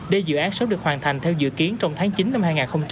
để dự án sớm được hoàn thành theo dự kiến trong tháng chín năm hai nghìn hai mươi